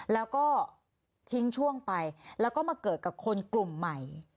แล้วก็ทิ้งช่วงไปแล้วก็มาเกิดกับคนกลุ่มใหม่